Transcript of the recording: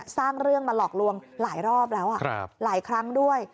สร้างเรื่องมาหลอกลวงหลายรอบแล้วหลายครั้งด้วย